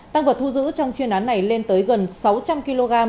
tăng vật thu giữ trong chuyên án này lên tới gần sáu trăm linh kg